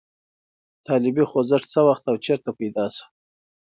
طالبي خوځښت څه وخت او چېرته پیدا شو؟